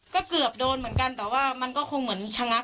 ก็เกือบโดนเหมือนกันแต่ว่ามันก็คงเหมือนชะงัก